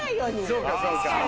そうかそうか。